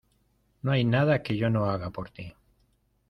No hay nada que yo no haga por tí.